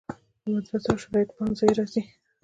له مدرسو او شرعیاتو پوهنځیو راځي.